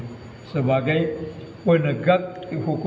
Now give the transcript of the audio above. melambangkan empat buah tiang yang berdiri